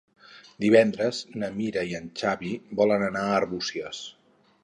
Divendres na Mira i en Xavi volen anar a Arbúcies.